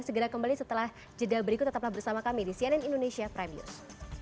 segera kembali setelah jeda berikut tetaplah bersama kami di cnn indonesia prime news